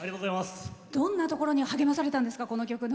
どんなところに励まされたんですか？